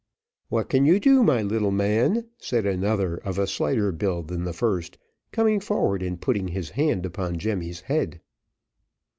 "What can you do, my little man?" said another of a slighter build than the first, coming forward and putting his hand upon Jemmy's head.